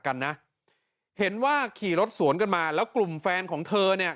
กันนะเห็นว่าขี่รถสวนกันมาแล้วกลุ่มแฟนของเธอเนี่ย